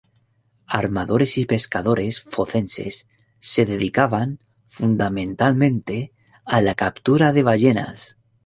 Armadores y pescadores focenses se dedicaban, fundamentalmente, a la captura de ballenas.